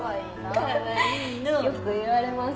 よく言われます。